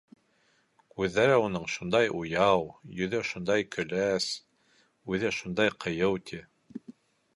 Күҙҙәре уның шундай уяу, йөҙө шундай көләс, үҙе шундай ҡыйыу, ти.